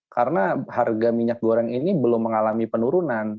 karena harga minyak goreng ini belum mengalami penurunan